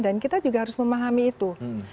dan kita juga harus memahami itu